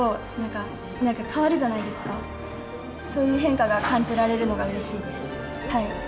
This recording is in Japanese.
そういう変化が感じられるのがうれしいです。